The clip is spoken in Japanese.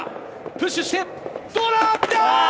プッシュして、どうだ？